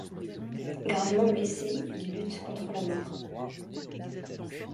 Gravement blessé, il lutte contre la mort.